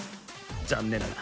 残念だが。